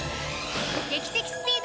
劇的スピード！